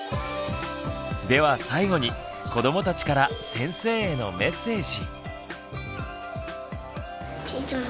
では最後に子どもたちから先生へのメッセージ。